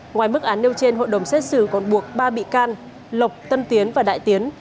ngoài mức án nêu trên hội đồng xét xử còn buộc ba bị can lộc tân tiến và đại tiến